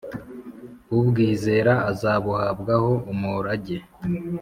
Ubwizera azabuhabwaho umurage,